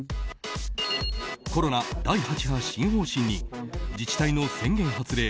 コロナ第８波新方針に自治体の宣言発令。